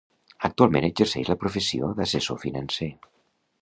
Actualment exercix la professió d'assessor financer.